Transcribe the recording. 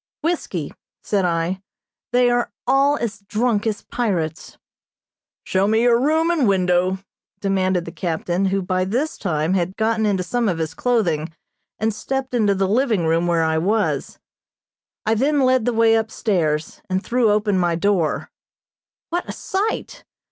"Whiskey," said I. "They are all as drunk as pirates." "Show me your room and window," demanded the captain, who by this time had gotten into some of his clothing, and stepped into the living room where I was. I then led the way upstairs, and threw open my door. What a sight!